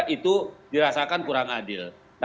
itu dirasakan kurang adil